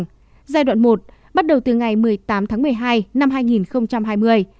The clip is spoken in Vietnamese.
giai đoạn một bắt đầu từ ngày một mươi tám tháng một mươi hai năm hai nghìn hai mươi